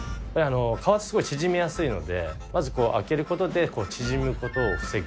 皮すごい縮みやすいのでまず開ける事で縮む事を防ぐ。